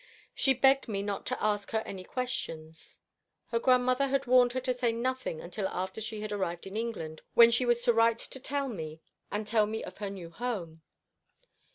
She begged me not to ask her any questions. Her grandmother had warned her to say nothing until after she had arrived in England, when she was to write to me and tell me of her new home.